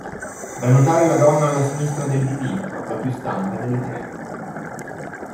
Da notare la donna alla sinistra del dipinto; la più stanca delle tre.